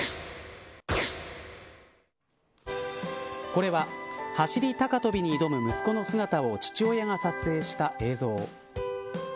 これは走り高跳びに挑む息子の姿を父親が撮影した映像。